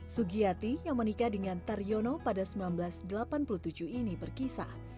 sugiyati yang menikah dengan taryono pada seribu sembilan ratus delapan puluh tujuh ini berkisah